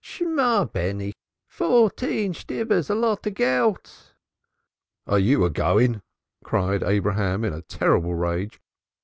Shemah, beni! Fourteen Shtibbur's a lot of Gelt." "Are you a going?" cried Abraham in a terrible rage.